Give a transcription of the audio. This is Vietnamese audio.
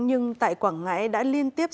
nhưng tại quảng ngãi đã liên tiếp